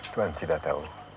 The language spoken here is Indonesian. tuhan tidak tahu